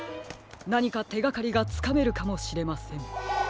なにかてがかりがつかめるかもしれません。